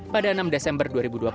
pada enam desember dua ribu dua puluh